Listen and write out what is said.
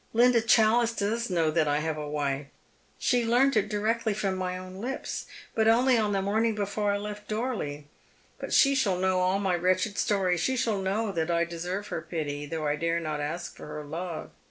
Linda Challice does know that I have a wife. She learned it directly from my own lips ; but only on the morning before I left Dorley. But she shall know all my wretched story. She shall know that I deserve her pity, though I dare not ask for her love.